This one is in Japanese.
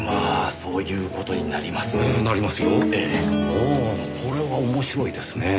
ほうこれは面白いですねぇ。